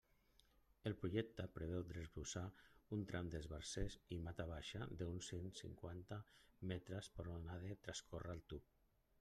El Projecte preveu desbrossar un tram d'esbarzers i mata baixa d'uns cent cinquanta metres per on ha de transcórrer el tub.